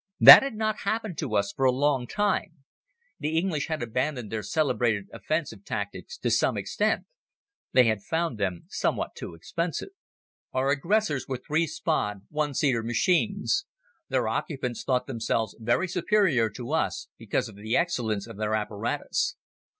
That had not happened to us for a long time. The English had abandoned their celebrated offensive tactics to some extent. They had found them somewhat too expensive. Our aggressors were three Spad one seater machines. Their occupants thought themselves very superior to us because of the excellence of their apparatus.